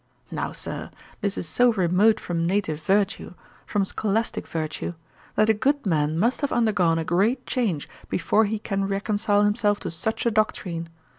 Now, Sir, this is so remote from native virtue, from scholastick virtue, that a good man must have undergone a great change before he can reconcile himself to such a doctrine.